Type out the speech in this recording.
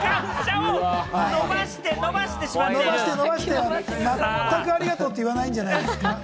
伸ばして伸ばして、まったくありがとうって言わないんじゃないですか？